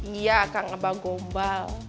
iya kak abah gombal